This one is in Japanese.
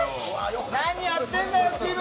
何やってんだよ、きむ！